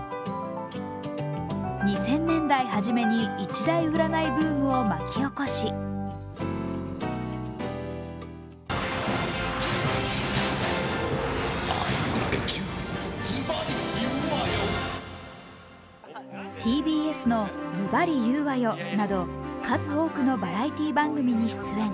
２０００年代初めに一大占いブームを巻き起こしＴＢＳの「ズバリ言うわよ！」など数多くのバラエティー番組に出演。